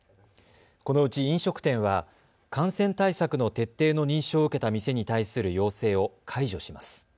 このうち飲食店は感染対策の徹底の認証を受けた店に対する要請を解除します。